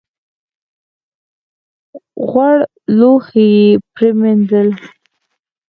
غوړ لوښي یې پرېمینځل .